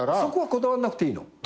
そこはこだわんなくていいの。